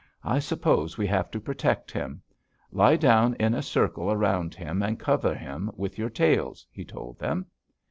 I suppose we have to protect him. Lie down in a circle around him and cover him with your tails,' he told them.